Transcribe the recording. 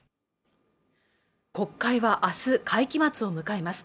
国会はあす会期末を迎えます